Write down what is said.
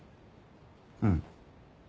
うん。